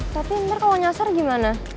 tapi ntar kalau nyasar gimana